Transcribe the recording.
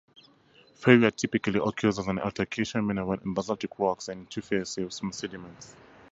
Ferrierite typically occurs as an alteration mineral in basaltic rocks and in tuffaceous sediments.